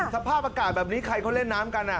สถาบักษณ์แบบนี้ใครเขาเล่นน้ำกัน